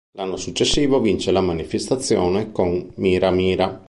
L'anno successivo vince la manifestazione con "Mira Mira".